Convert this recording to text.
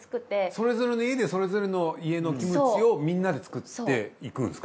それぞれの家でそれぞれの家のキムチをみんなで作っていくんですか。